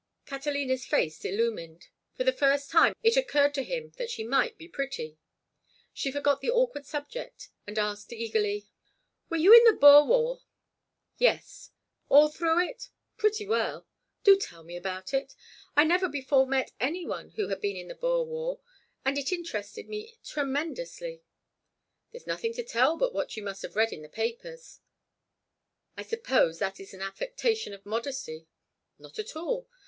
Catalina's face illumined. For the first time it occurred to him that she might be pretty. She forgot the awkward subject, and asked, eagerly: "Were you in the Boer War?" "Yes." "All through it?" "Pretty well." "Do tell me about it. I never before met any one who had been in the Boer War, and it interested me tremendously." "There's nothing to tell but what you must have read in the papers." "I suppose that is an affectation of modesty." "Not at all.